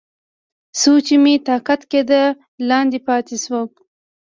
څو چې مې طاقت کېده، لاندې پاتې شوم.